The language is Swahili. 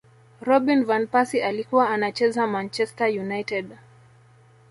robin van persie alikuwa anacheza manchester united